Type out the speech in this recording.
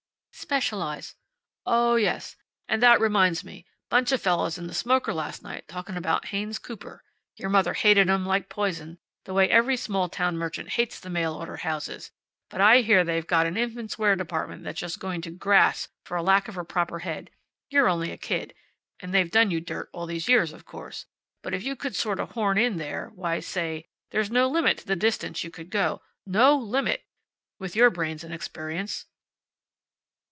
"Specialize." "Oh, yes. And that reminds me. Bunch of fellows in the smoker last night talking about Haynes Cooper. Your mother hated 'em like poison, the way every small town merchant hates the mail order houses. But I hear they've got an infants' wear department that's just going to grass for lack of a proper head. You're only a kid. And they have done you dirt all these years, of course. But if you could sort of horn in there why, say, there's no limit to the distance you could go. No limit! With your brains and experience."